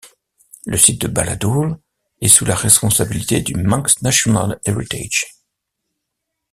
Le site de Balladoole est sous la responsabilité du Manx National Heritage.